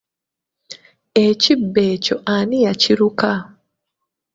Ekibbo ekyo ani yakiruka?